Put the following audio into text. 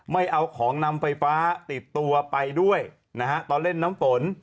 ไม่เอาของนำไฟฟ้าติดตัวไปด้วยนะฮะตอนเล่นน้ำฝน